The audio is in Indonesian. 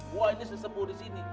gue ini sesepuh disini